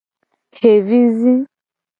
Xevi zi.